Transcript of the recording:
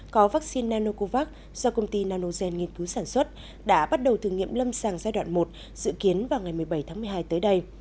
có vaccine nanocovax do công ty nanogen nghiên cứu sản xuất đã bắt đầu thử nghiệm lâm sàng giai đoạn một dự kiến vào ngày một mươi bảy tháng một mươi hai tới đây